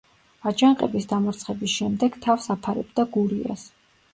აჯანყების დამარცხების შემდეგ თავს აფარებდა გურიას.